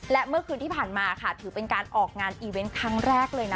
และเมื่อคืนที่ผ่านมาค่ะถือเป็นการออกงานอีเวนต์ครั้งแรกเลยนะ